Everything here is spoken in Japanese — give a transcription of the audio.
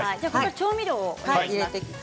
調味料を入れていきます。